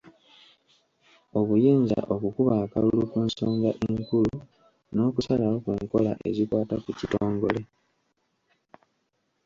Obuyinza okukuba akalulu ku nsonga enkulu n'okusalawo ku nkola ezikwata ku kitongole.